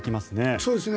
そうですね。